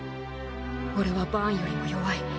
俺はバーンよりも弱い。